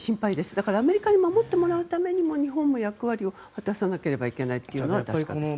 だからアメリカに守ってもらうためにも日本が役割を果たさなければいけないというのはあります。